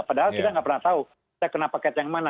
padahal kita nggak pernah tahu kita kena paket yang mana